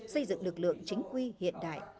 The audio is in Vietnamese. xây dựng lực lượng chính quy hiện đại